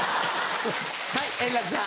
はい円楽さん。